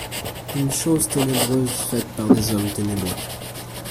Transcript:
Une chose ténébreuse faite par des hommes ténébreux.